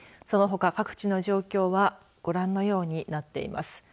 そのほか、各地の状況はご覧のようになっています。